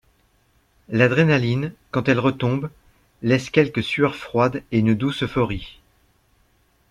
L’adrénaline, quand elle retombe, laisse quelques sueurs froides et une douce euphorie.